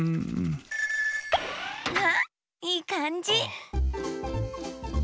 あいいかんじ！